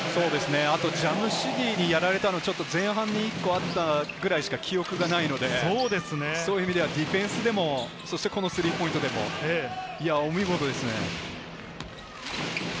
あとジャムシディにやられたら前半に１個あったくらいしか記憶がないので、そういう意味ではディフェンスでもスリーポイントでも、お見事ですね。